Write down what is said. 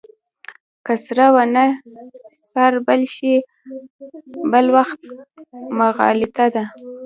که سره ونه شاربل شي بل وخت مغالطه ده.